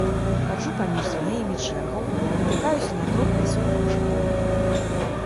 Хаджу паміж змеямі чэргаў, натыкаюся на трох вясёлых мужыкоў.